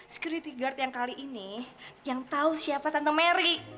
security guard yang kali ini yang tahu siapa tante mary